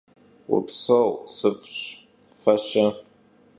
Vupseu, sıf'ş, fe - şe?